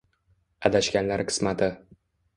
Adashganlar qismati